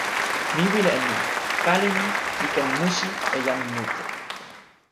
mi wile e ni: pali mi li ken musi e jan mute.